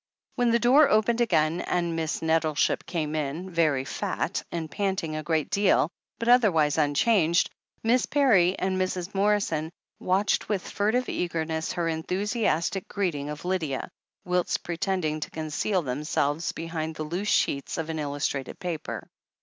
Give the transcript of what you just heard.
When the door opened again and Miss Nettleship came in, very fat, and panting a great deal, but other wise unchanged. Miss Parry and Mrs. Morrison watched with furtive eagerness her enthusiastic greet ing of Lydia, whilst pretending to conceal themselves behind the loose sheets of an illustrated paper.